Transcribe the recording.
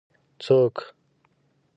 ـ څوک؟